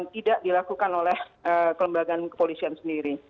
tidak dilakukan oleh kelembagaan kepolisian sendiri